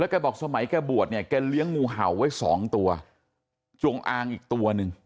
แกบอกสมัยแกบวชเนี่ยแกเลี้ยงงูเห่าไว้สองตัวจงอางอีกตัวหนึ่ง